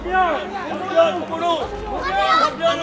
mardian kamu jalan